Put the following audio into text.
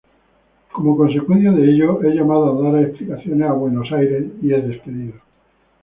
Como consecuencia de ello es llamado a dar explicaciones a Buenos Aires y despedido.